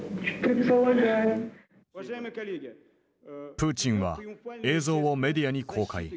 プーチンは映像をメディアに公開。